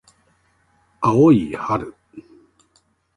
青い春